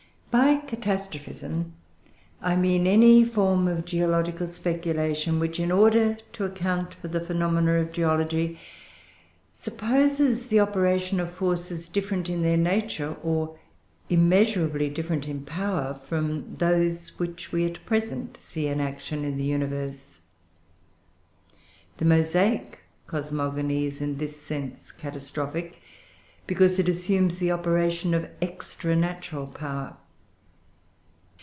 By CATASTROPHISM, I mean any form of geological speculation which, in order to account for the phenomena of geology, supposes the operation of forces different in their nature, or immeasurably different in power, from those which we at present see in action in the universe. The Mosaic cosmogony is, in this sense, catastrophic, because it assumes the operation of extra natural power.